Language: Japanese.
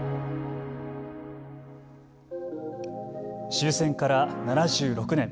終戦から７６年。